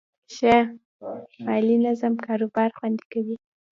مالي نظم کاروبار خوندي کوي.